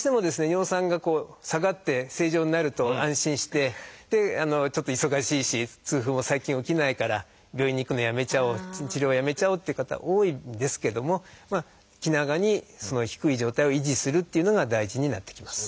尿酸が下がって正常になると安心してでちょっと忙しいし痛風も最近起きないから病院に行くのをやめちゃおう治療をやめちゃおうっていう方多いんですけども気長にその低い状態を維持するっていうのが大事になってきます。